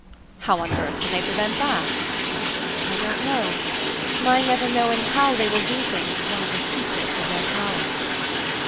"How on earth can they prevent that?" "I don't know; my never knowing how they will do things is one of the secrets of their power."